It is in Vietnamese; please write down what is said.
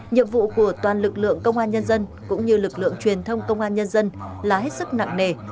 nhiệm vụ của toàn lực lượng công an nhân dân cũng như lực lượng truyền thông công an nhân dân là hết sức nặng nề